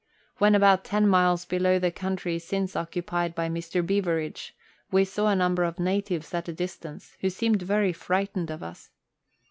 When about ten miles below the country since occupied by Mr. Beveridge, we saw a number of natives at a distance, who seemed very frightened of us.